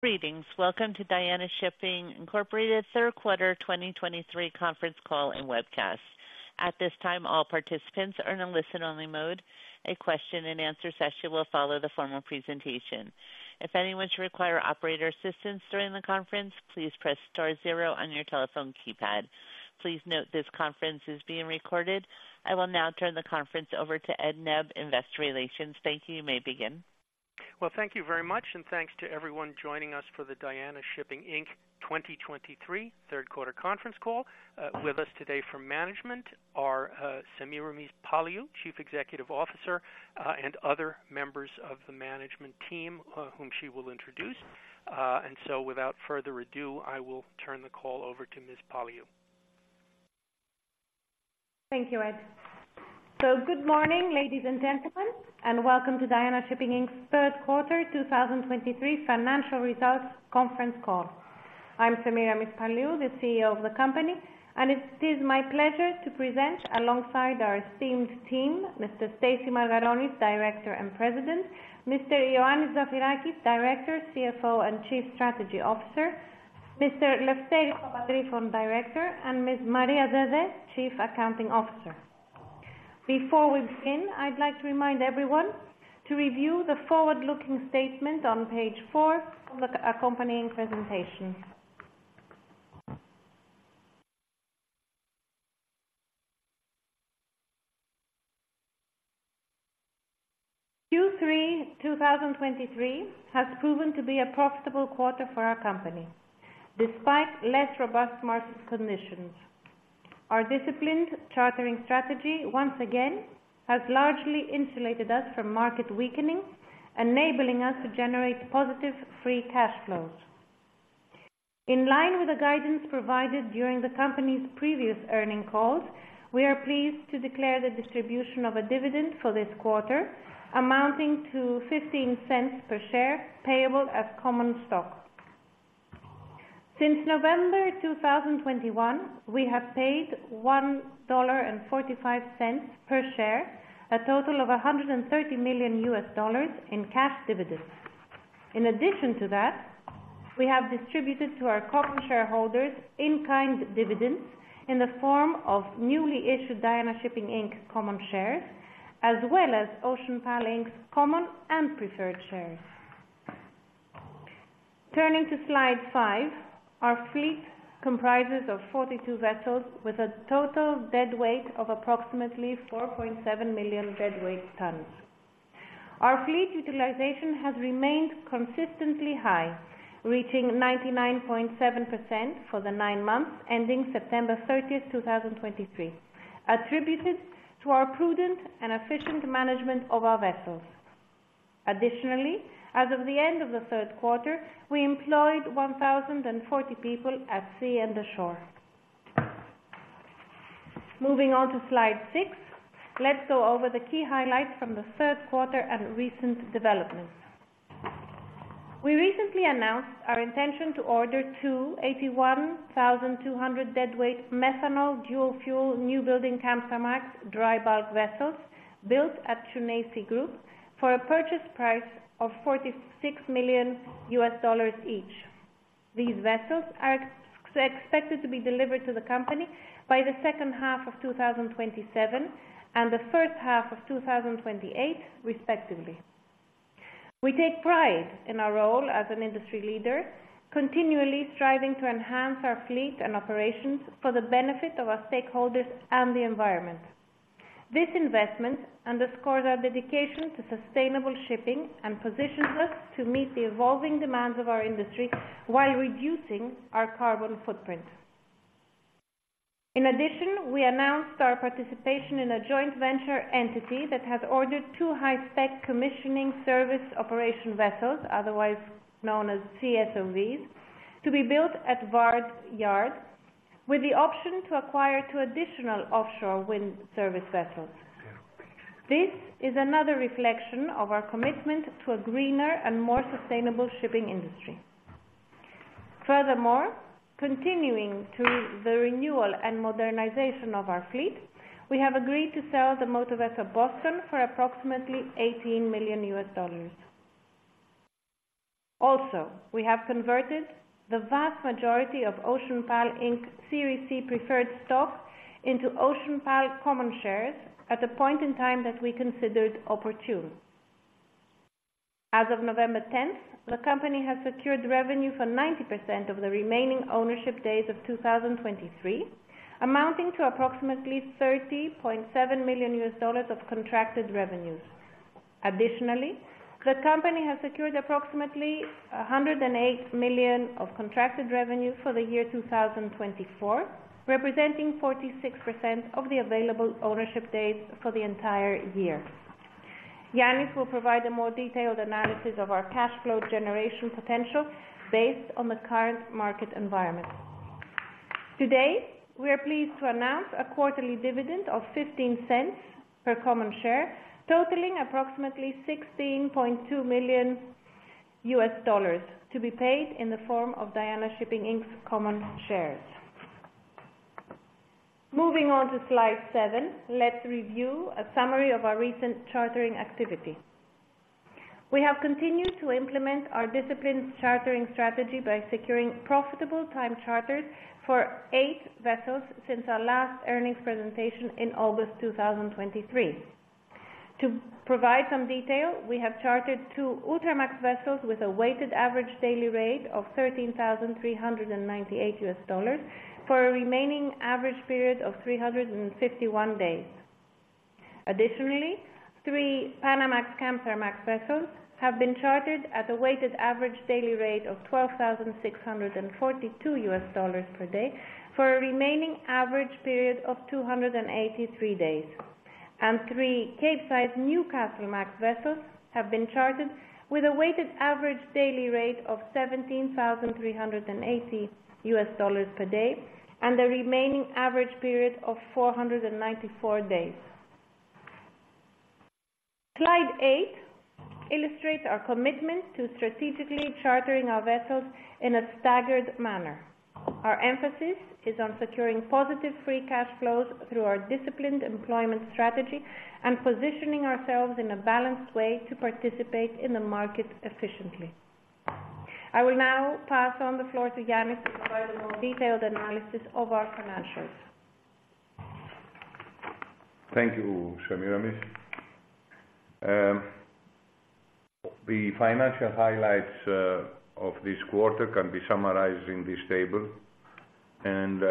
Greetings. Welcome to Diana Shipping Incorporated Third Quarter 2023 conference call and webcast. At this time, all participants are in a listen-only mode. A question-and-answer session will follow the formal presentation. If anyone should require operator assistance during the conference, please press star zero on your telephone keypad. Please note this conference is being recorded. I will now turn the conference over to Ed Nebb, Investor Relations. Thank you. You may begin. Well, thank you very much, and thanks to everyone joining us for the Diana Shipping Inc. 2023 third quarter conference call. With us today from management are Semiramis Paliou, Chief Executive Officer, and other members of the management team, whom she will introduce. And so without further ado, I will turn the call over to Ms. Paliou. Thank you, Ed. Good morning, ladies and gentlemen, and welcome to Diana Shipping Inc.'s third quarter 2023 financial results conference call. I'm Semiramis Paliou, the CEO of the company, and it is my pleasure to present alongside our esteemed team, Mr. Stacy Margaronis, Director and President, Mr. Ioannis Zafirakis, Director, CFO, and Chief Strategy Officer, Mr. Lefteris Papatrifon, Director, and Ms. Maria Dede, Chief Accounting Officer. Before we begin, I'd like to remind everyone to review the forward-looking statement on page 4 of the accompanying presentation. Q3 2023 has proven to be a profitable quarter for our company, despite less robust market conditions. Our disciplined chartering strategy, once again, has largely insulated us from market weakening, enabling us to generate positive free cash flows. In line with the guidance provided during the company's previous earnings calls, we are pleased to declare the distribution of a dividend for this quarter, amounting to $0.15 per share, payable as common stock. Since November 2021, we have paid $1.45 per share, a total of $130 million in cash dividends. In addition to that, we have distributed to our common shareholders in-kind dividends in the form of newly issued Diana Shipping Inc. common shares, as well as OceanPal Inc. common and preferred shares. Turning to Slide 5, our fleet comprises of 42 vessels with a total deadweight of approximately 4.7 million deadweight tons. Our fleet utilization has remained consistently high, reaching 99.7% for the nine months, ending September 30th, 2023, attributed to our prudent and efficient management of our vessels. Additionally, as of the end of the third quarter, we employed 1,040 people at sea and ashore. Moving on to Slide 6, let's go over the key highlights from the third quarter and recent developments. We recently announced our intention to order 2 81,200 deadweight methanol dual fuel newbuilding Kamsarmax dry bulk vessels built at Tsuneishi Group for a purchase price of $46 million each. These vessels are expected to be delivered to the company by the second half of 2027 and the first half of 2028, respectively. We take pride in our role as an industry leader, continually striving to enhance our fleet and operations for the benefit of our stakeholders and the environment. This investment underscores our dedication to sustainable shipping and positions us to meet the evolving demands of our industry while reducing our carbon footprint. In addition, we announced our participation in a joint venture entity that has ordered 2 high-spec commissioning service operation vessels, otherwise known as CSOVs, to be built at VARD, with the option to acquire 2 additional offshore wind service vessels. This is another reflection of our commitment to a greener and more sustainable shipping industry. Furthermore, continuing to the renewal and modernization of our fleet, we have agreed to sell the motor vessel Boston for approximately $18 million. Also, we have converted the vast majority of OceanPal Inc. Series C preferred stock into OceanPal common shares at a point in time that we considered opportune. As of November tenth, the company has secured revenue for 90% of the remaining ownership days of 2023, amounting to approximately $30.7 million of contracted revenues. Additionally, the company has secured approximately $108 million of contracted revenue for the year 2024, representing 46% of the available ownership days for the entire year. Yannis will provide a more detailed analysis of our cash flow generation potential based on the current market environment. Today, we are pleased to announce a quarterly dividend of $0.15 per common share, totaling approximately $16.2 million, to be paid in the form of Diana Shipping Inc.'s common shares.... Moving on to Slide 7, let's review a summary of our recent chartering activity. We have continued to implement our disciplined chartering strategy by securing profitable time charters for 8 vessels since our last earnings presentation in August 2023. To provide some detail, we have chartered two Ultramax vessels with a weighted average daily rate of $13,398 for a remaining average period of 351 days. Additionally, three Panamax/Capesize vessels have been chartered at a weighted average daily rate of $12,642 per day for a remaining average period of 283 days, and three Capesize Newcastlemax vessels have been chartered with a weighted average daily rate of $17,380 per day and a remaining average period of 494 days. Slide 8 illustrates our commitment to strategically chartering our vessels in a staggered manner. Our emphasis is on securing positive free cash flows through our disciplined employment strategy and positioning ourselves in a balanced way to participate in the market efficiently. I will now pass on the floor to Yannis to provide a more detailed analysis of our financials. Thank you, Semiramis. The financial highlights of this quarter can be summarized in this table, and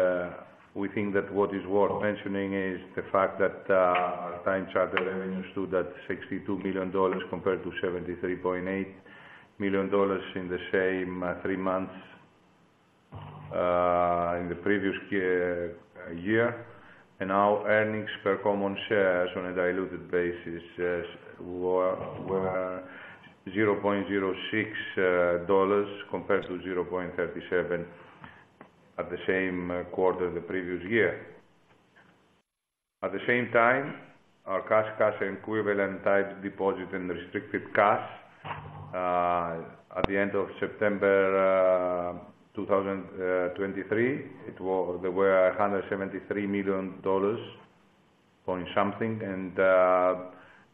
we think that what is worth mentioning is the fact that our time charter revenues stood at $62 million compared to $73.8 million in the same three months in the previous year. And our earnings per common share on a diluted basis is lower, were $0.06, compared to $0.37 at the same quarter the previous year. At the same time, our cash, cash equivalent types, deposit and restricted cash, at the end of September 2023, it was $173 million point something, and,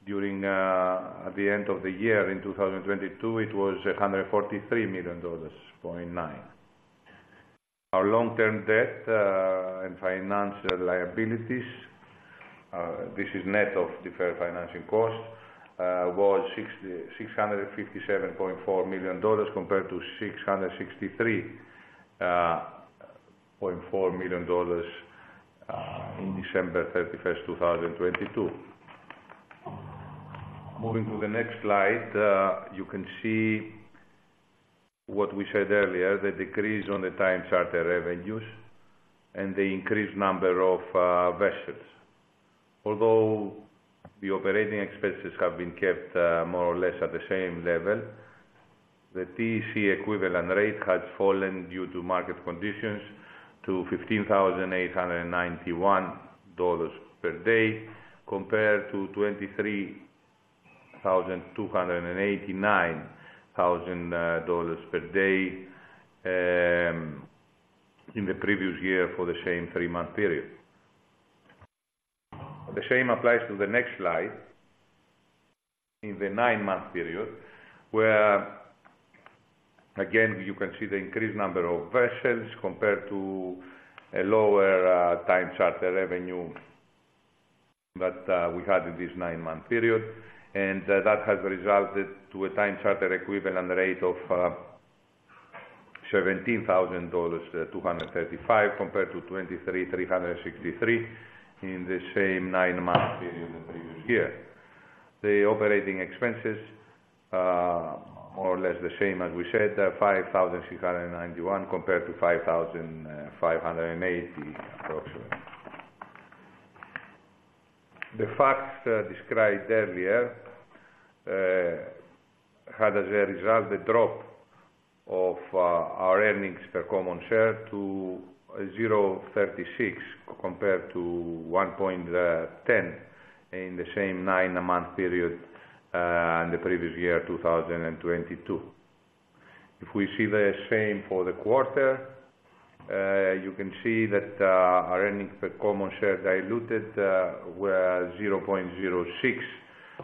during, at the end of the year in 2022, it was $143.9 million. Our long-term debt and financial liabilities, this is net of deferred financing cost, was $667.4 million compared to $663.4 million in December 31st, 2022. Moving to the next slide, you can see what we said earlier, the decrease on the time charter revenues and the increased number of vessels. Although the operating expenses have been kept more or less at the same level, the TC equivalent rate has fallen due to market conditions to $15,891 per day, compared to $23,289 per day in the previous year for the same three-month period. The same applies to the next slide. In the nine-month period, where, again, you can see the increased number of vessels compared to a lower time charter revenue that we had in this nine-month period. And that has resulted to a time charter equivalent rate of $17,235, compared to $23,363 in the same nine-month period the previous year. The operating expenses, more or less the same as we said, are $5,691, compared to $5,580, approximately. The facts described earlier had as a result the drop of our earnings per common share to $0.36, compared to $1.10 in the same nine-month period in the previous year, 2022. If we see the same for the quarter, you can see that our earnings per common share diluted were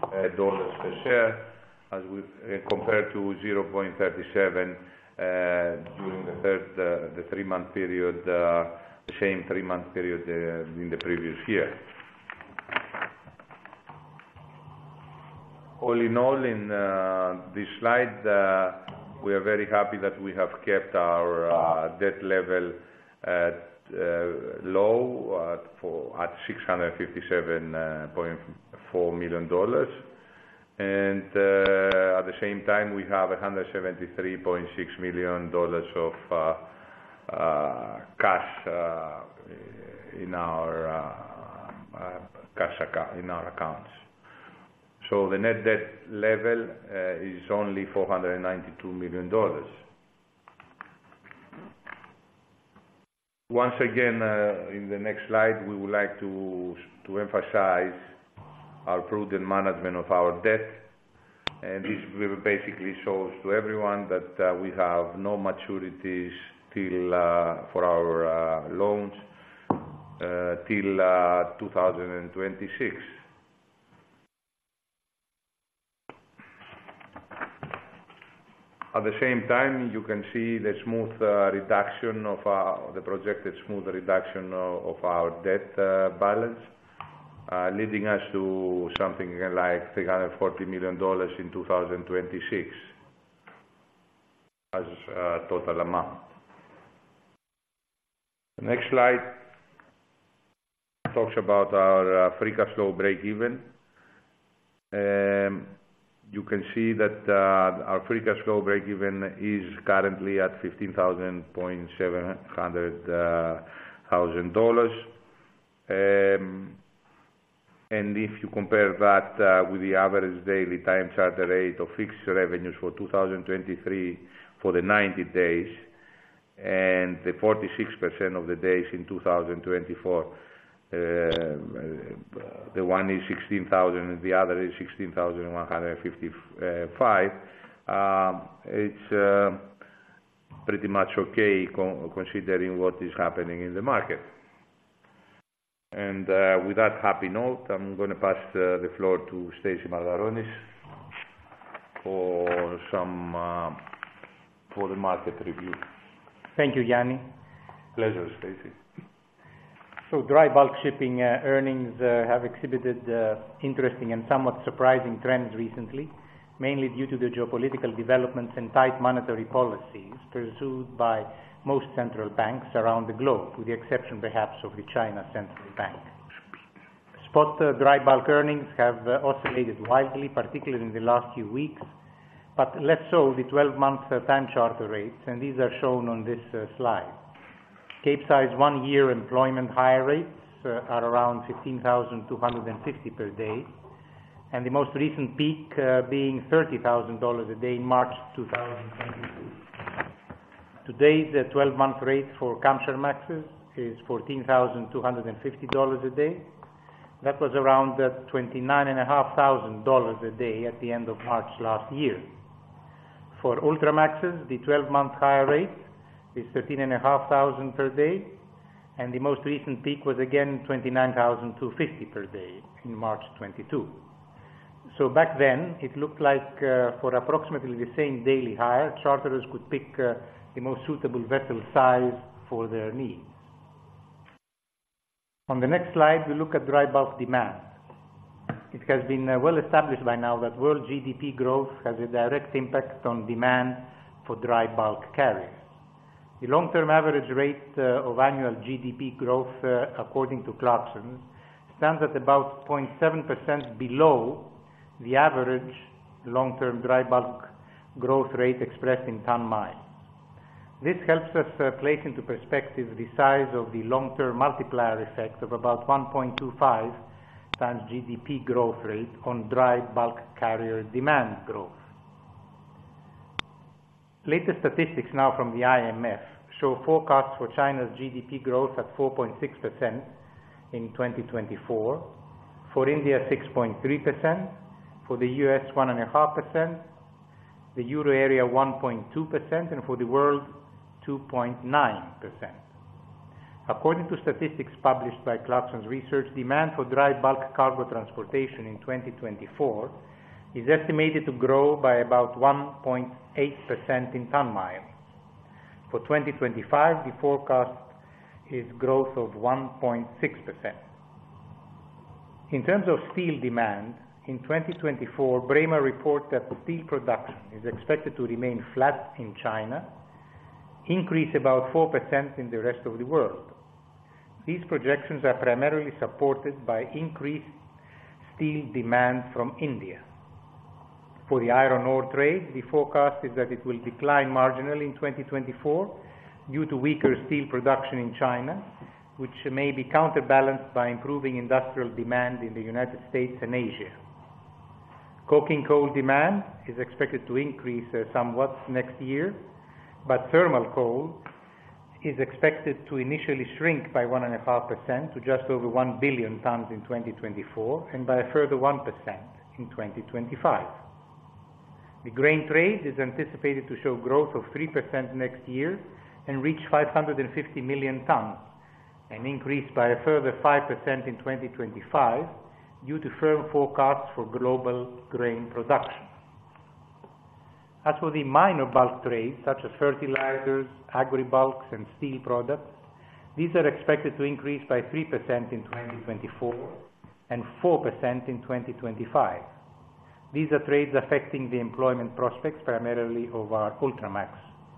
$0.06 per share, as compared to $0.37 during the first, the three-month period, the same three-month period in the previous year. All in all, in this slide, we are very happy that we have kept our debt level at low, at $657.4 million. And at the same time, we have $173.6 million of cash in our accounts. So the net debt level is only $492 million. Once again, in the next slide, we would like to emphasize our prudent management of our debt, and this basically shows to everyone that we have no maturities till for our loans till 2026. At the same time, you can see the projected smooth reduction of our debt balance leading us to something like $340 million in 2026 as total amount. The next slide talks about our free cash flow breakeven. You can see that our free cash flow breakeven is currently at $15,700. And if you compare that with the average daily time charter rate of fixed revenues for 2023, for the 90 days, and the 46% of the days in 2024, the one is $16,000 and the other is $16,155. It's pretty much okay considering what is happening in the market. With that happy note, I'm gonna pass the floor to Stacy Margaronis for the market review. Thank you, Yannis. Pleasure, Stacy. Dry bulk shipping earnings have exhibited interesting and somewhat surprising trends recently, mainly due to the geopolitical developments and tight monetary policies pursued by most central banks around the globe, with the exception perhaps of the China Central Bank. Spot dry bulk earnings have oscillated widely, particularly in the last few weeks, but less so the 12-month time charter rates, and these are shown on this slide. Capesize 1-year employment hire rates are around $15,250 per day, and the most recent peak being $30,000 a day in March 2022. Today, the 12-month rate for Kamsarmaxes is $14,250 a day. That was around $29,500 a day at the end of March last year. For Ultramaxes, the twelve-month hire rate is $13,500 per day, and the most recent peak was again $29,250 per day in March 2022. So back then, it looked like, for approximately the same daily hire, charterers could pick, the most suitable vessel size for their needs. On the next slide, we look at dry bulk demand. It has been, well established by now that world GDP growth has a direct impact on demand for dry bulk carriers. The long-term average rate, of annual GDP growth, according to Clarksons, stands at about 0.7% below the average long-term dry bulk growth rate expressed in ton miles. This helps us, place into perspective the size of the long-term multiplier effect of about 1.25 times GDP growth rate on dry bulk carrier demand growth. Latest statistics now from the IMF show forecasts for China's GDP growth at 4.6% in 2024, for India 6.3%, for the U.S. 1.5%, the Euro Area 1.2%, and for the world, 2.9%. According to statistics published by Clarksons Research, demand for dry bulk cargo transportation in 2024 is estimated to grow by about 1.8% in ton miles. For 2025, the forecast is growth of 1.6%. In terms of steel demand, in 2024, Braemar reports that steel production is expected to remain flat in China, increase about 4% in the rest of the world. These projections are primarily supported by increased steel demand from India. For the iron ore trade, the forecast is that it will decline marginally in 2024 due to weaker steel production in China, which may be counterbalanced by improving industrial demand in the United States and Asia. Coking coal demand is expected to increase somewhat next year, but thermal coal is expected to initially shrink by 1.5% to just over 1 billion tons in 2024, and by a further 1% in 2025. The grain trade is anticipated to show growth of 3% next year and reach 550 million tons, and increase by a further 5% in 2025, due to firm forecasts for global grain production. As for the minor bulk trades such as fertilizers, agri bulks, and steel products, these are expected to increase by 3% in 2024, and 4% in 2025. These are trades affecting the employment prospects, primarily of our Ultramax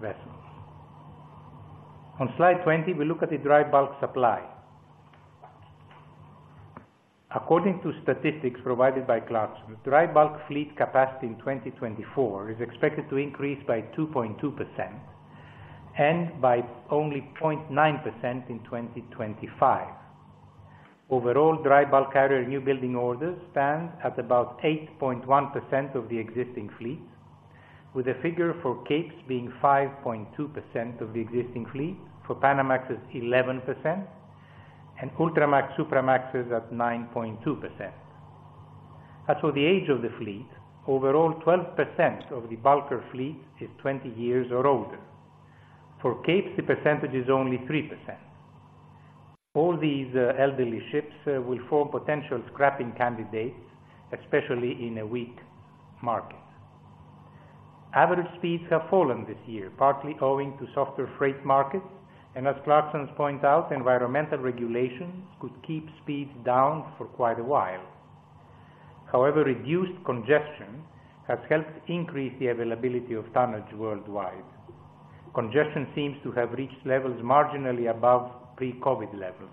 vessels. On Slide 20, we look at the dry bulk supply. According to statistics provided by Clarksons, dry bulk fleet capacity in 2024 is expected to increase by 2.2% and by only 0.9% in 2025. Overall, dry bulk carrier newbuilding orders stand at about 8.1% of the existing fleet, with the figure for Capes being 5.2% of the existing fleet, for Panamax is 11%.... and Ultramax, Supramax is at 9.2%. As for the age of the fleet, overall, 12% of the bulker fleet is 20 years or older. For Capes, the percentage is only 3%. All these, elderly ships, will form potential scrapping candidates, especially in a weak market. Average speeds have fallen this year, partly owing to softer freight markets, and as Clarksons point out, environmental regulations could keep speeds down for quite a while. However, reduced congestion has helped increase the availability of tonnage worldwide. Congestion seems to have reached levels marginally above pre-COVID levels.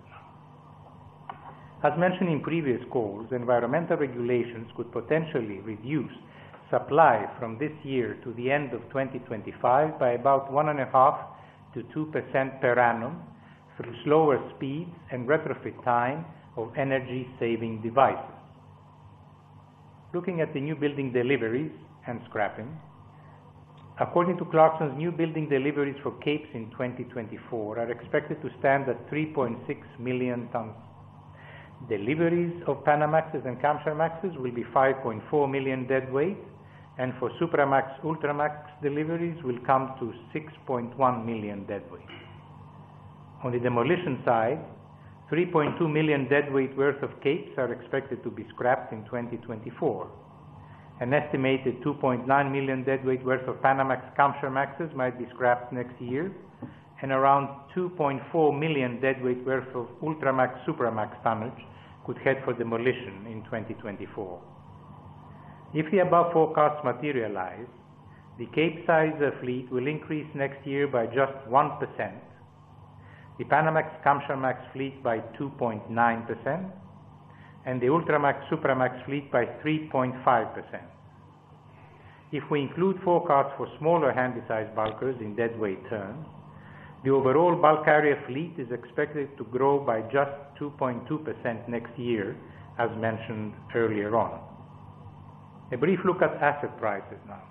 As mentioned in previous calls, environmental regulations could potentially reduce supply from this year to the end of 2025 by about 1.5%-2% per annum, through slower speeds and retrofit time of energy-saving devices. Looking at the new building deliveries and scrapping. According to Clarksons, new building deliveries for Capes in 2024 are expected to stand at 3.6 million tons. Deliveries of Panamax and Kamsarmaxes will be 5.4 million deadweight, and for Supramax, Ultramax deliveries will come to 6.1 million deadweight. On the demolition side, 3.2 million deadweight worth of Capesize are expected to be scrapped in 2024. An estimated 2.9 million deadweight worth of Panamax, Kamsarmaxes might be scrapped next year, and around 2.4 million deadweight worth of Ultramax, Supramax tonnage could head for demolition in 2024. If the above forecasts materialize, the Capesize fleet will increase next year by just 1%, the Panamax, Kamsarmax fleet by 2.9%, and the Ultramax, Supramax fleet by 3.5%. If we include forecasts for smaller Handysize bulkers in deadweight terms, the overall bulk carrier fleet is expected to grow by just 2.2% next year, as mentioned earlier on. A brief look at asset prices now.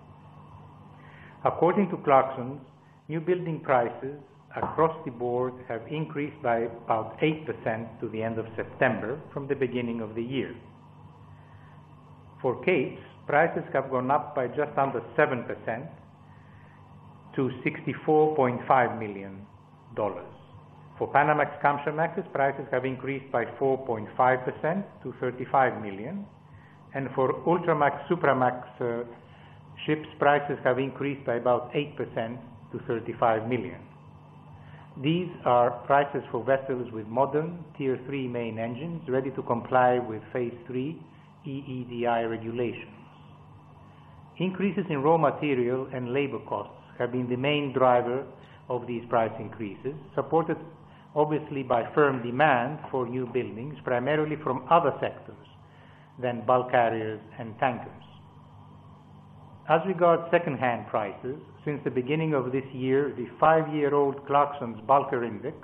According to Clarksons, new building prices across the board have increased by about 8% to the end of September from the beginning of the year. For Capes, prices have gone up by just under 7% to $64.5 million. For Panamax, Kamsarmaxes, prices have increased by 4.5% to $35 million, and for Ultramax, Supramax, ships, prices have increased by about 8% to $35 million. These are prices for vessels with modern Tier III main engines ready to comply with Phase III EEDI regulations. Increases in raw material and labor costs have been the main driver of these price increases, supported obviously by firm demand for new buildings, primarily from other sectors than bulk carriers and tankers. As regards secondhand prices, since the beginning of this year, the five-year-old Clarksons Bulker Index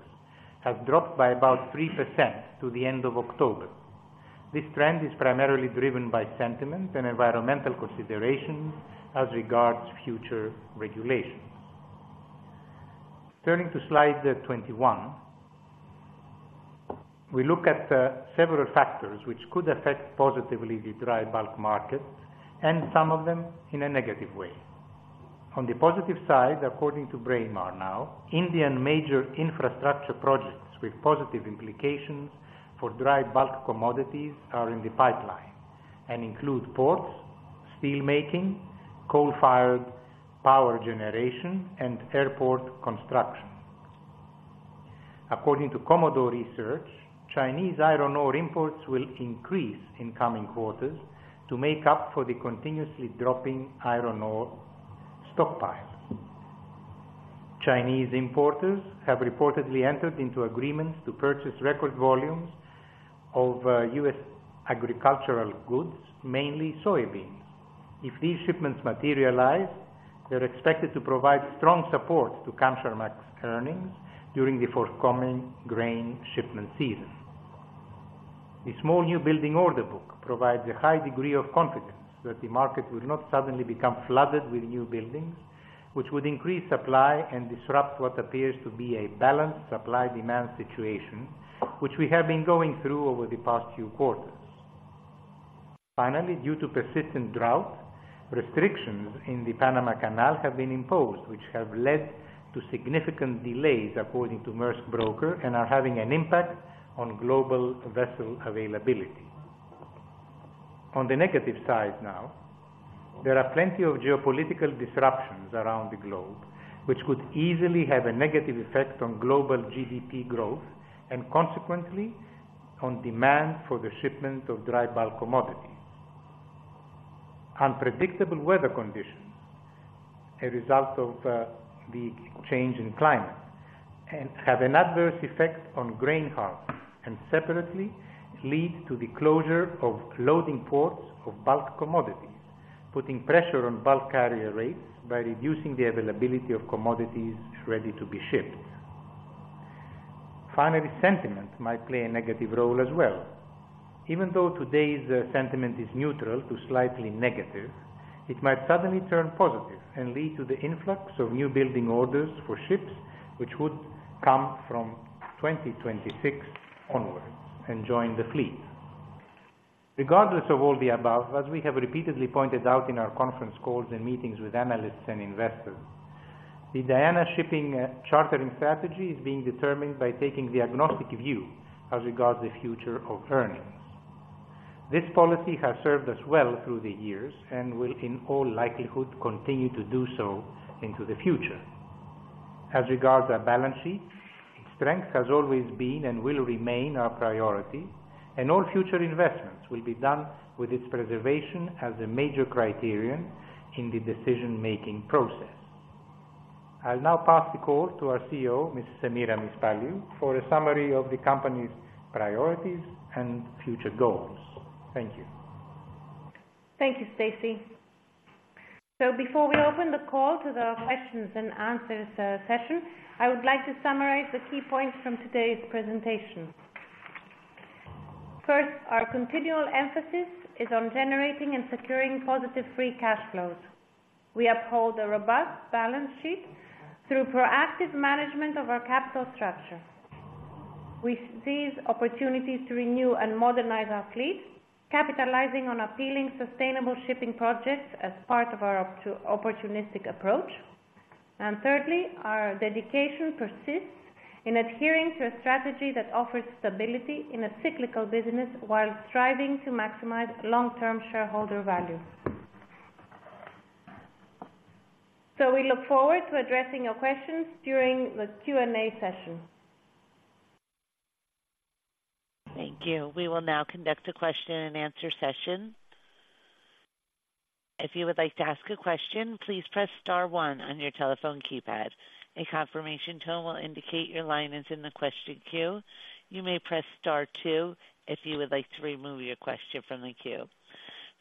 has dropped by about 3% to the end of October. This trend is primarily driven by sentiment and environmental considerations as regards to future regulations. Turning to Slide 21, we look at several factors which could affect positively the dry bulk market and some of them in a negative way. On the positive side, according to Braemar now, Indian major infrastructure projects with positive implications for dry bulk commodities are in the pipeline and include ports, steel making, coal-fired power generation, and airport construction. According to Commodore Research, Chinese iron ore imports will increase in coming quarters to make up for the continuously dropping iron ore stockpile. Chinese importers have reportedly entered into agreements to purchase record volumes of U.S. agricultural goods, mainly soybeans. If these shipments materialize, they're expected to provide strong support to Kamsarmax earnings during the forthcoming grain shipment season. The small new building order book provides a high degree of confidence that the market will not suddenly become flooded with new buildings, which would increase supply and disrupt what appears to be a balanced supply-demand situation, which we have been going through over the past few quarters. Finally, due to persistent drought, restrictions in the Panama Canal have been imposed, which have led to significant delays, according to Maersk Broker, and are having an impact on global vessel availability. On the negative side now, there are plenty of geopolitical disruptions around the globe, which could easily have a negative effect on global GDP growth and consequently, on demand for the shipment of dry bulk commodities. Unpredictable weather conditions, a result of, the change in climate, and have an adverse effect on grain harvest, and separately lead to the closure of loading ports of bulk commodities, putting pressure on bulk carrier rates by reducing the availability of commodities ready to be shipped. Finally, sentiment might play a negative role as well.... Even though today's sentiment is neutral to slightly negative, it might suddenly turn positive and lead to the influx of new building orders for ships, which would come from 2026 onwards and join the fleet. Regardless of all the above, as we have repeatedly pointed out in our conference calls and meetings with analysts and investors, the Diana Shipping chartering strategy is being determined by taking the agnostic view as regards the future of earnings. This policy has served us well through the years and will, in all likelihood, continue to do so into the future. As regards our balance sheet, strength has always been and will remain our priority, and all future investments will be done with its preservation as a major criterion in the decision-making process. I'll now pass the call to our CEO, Ms. Semiramis Paliou, for a summary of the company's priorities and future goals. Thank you. Thank you, Stacy. So before we open the call to the questions and answers session, I would like to summarize the key points from today's presentation. First, our continual emphasis is on generating and securing positive free cash flows. We uphold a robust balance sheet through proactive management of our capital structure. We seize opportunities to renew and modernize our fleet, capitalizing on appealing, sustainable shipping projects as part of our opportunistic approach. And thirdly, our dedication persists in adhering to a strategy that offers stability in a cyclical business while striving to maximize long-term shareholder value. So we look forward to addressing your questions during the Q&A session. Thank you. We will now conduct a question-and-answer session. If you would like to ask a question, please press star one on your telephone keypad. A confirmation tone will indicate your line is in the question queue. You may press star two if you would like to remove your question from the queue.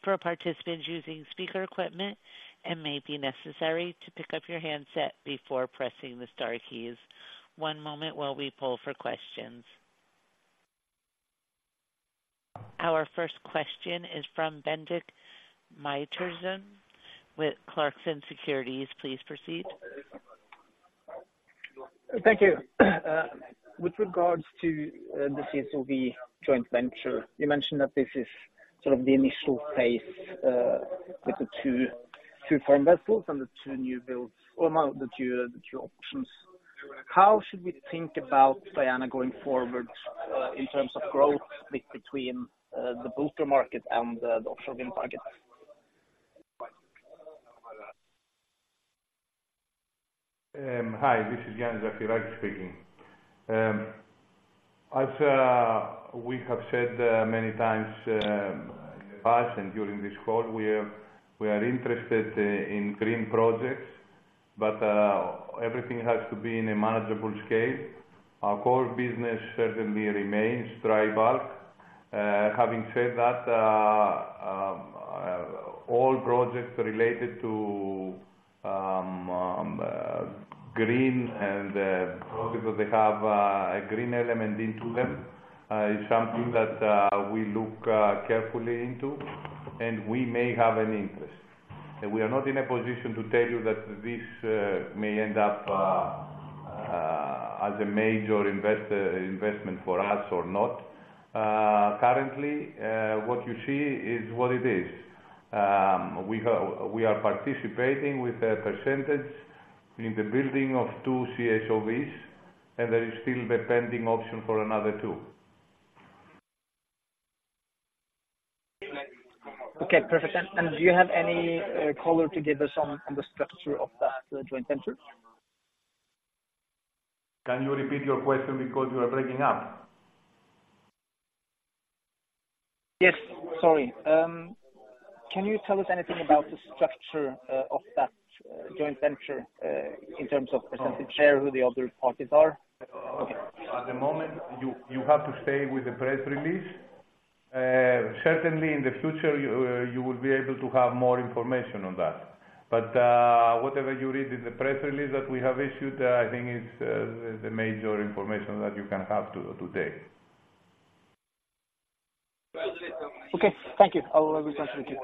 For participants using speaker equipment, it may be necessary to pick up your handset before pressing the star keys. One moment while we pull for questions. Our first question is from Bendik Maartmann-Moe with Clarksons Securities. Please proceed. Thank you. With regards to the CSOV joint venture, you mentioned that this is sort of the initial phase with the two foreign vessels and the two new builds or no, the two options. How should we think about Diana going forward in terms of growth split between the bulker market and the offshore wind market? Hi, this is Ioannis Zafirakis speaking. As we have said many times in the past and during this call, we are, we are interested in green projects, but everything has to be in a manageable scale. Our core business certainly remains dry bulk. Having said that, all projects related to green and projects that they have a green element into them is something that we look carefully into, and we may have an interest. We are not in a position to tell you that this may end up as a major investment for us or not. Currently, what you see is what it is. We are participating with a percentage in the building of two CSOVs, and there is still the pending option for another two. Okay, perfect. And do you have any color to give us on the structure of that joint venture? Can you repeat your question because you are breaking up? Yes, sorry. Can you tell us anything about the structure of that joint venture in terms of percentage share, who the other parties are? At the moment, you have to stay with the press release. Certainly, in the future, you will be able to have more information on that. But whatever you read in the press release that we have issued, I think is the major information that you can have today. Okay, thank you. I will appreciate it.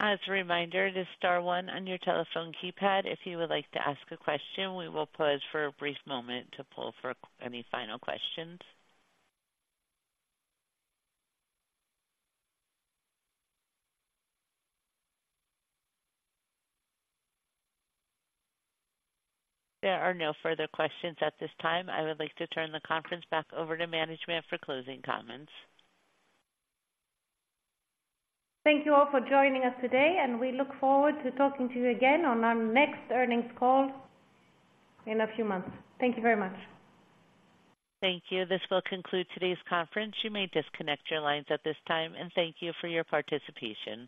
As a reminder, it is star one on your telephone keypad if you would like to ask a question. We will pause for a brief moment to pull for any final questions. There are no further questions at this time. I would like to turn the conference back over to management for closing comments. Thank you all for joining us today, and we look forward to talking to you again on our next earnings call in a few months. Thank you very much. Thank you. This will conclude today's conference. You may disconnect your lines at this time, and thank you for your participation.